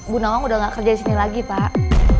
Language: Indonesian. bu nawang udah gak kerja disini lagi pak